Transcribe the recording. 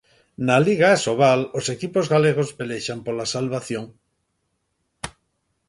Na Liga Asobal, os equipos galegos pelexan pola salvación.